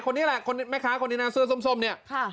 คนนี้แหละคนแม่ค้าคนนี้นะเสื้อส้มเนี่ย